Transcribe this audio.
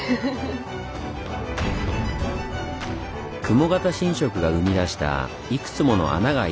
雲形侵食が生み出したいくつもの穴があいた岩。